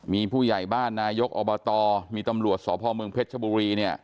มีผู้ใหญ่บ้านนายกอบตมีตำรวจสพเมืองเพชรชบุรีเนี่ย